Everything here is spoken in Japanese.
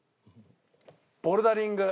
ボルダリング？